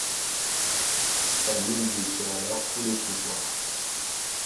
Staline détient alors tous les pouvoirs.